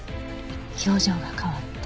表情が変わった。